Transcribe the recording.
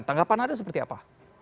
tanggapan anda seperti apa